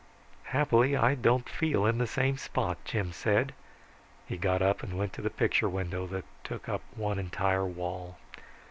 "Happily, I don't feel in the same spot," Jim said. He got up and went to the picture window that took up one entire wall.